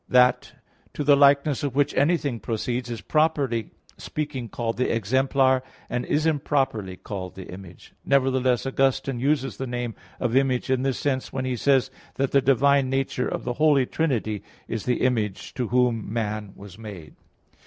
That to the likeness of which anything proceeds, is properly speaking called the exemplar, and is improperly called the image. Nevertheless Augustine (Fulgentius) uses the name of Image in this sense when he says that the divine nature of the Holy Trinity is the Image to whom man was made.